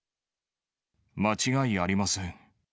間違いありません。